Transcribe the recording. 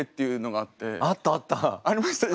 ありましたよね